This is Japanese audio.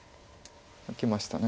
受けました。